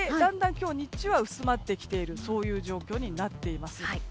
今日日中は薄まってきているという状況になっています。